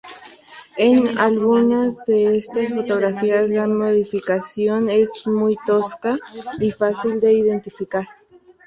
En algunas de estas fotografías la modificación es muy tosca y fácil de identificar.